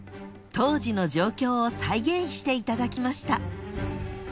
［当時の状況を再現していただきました］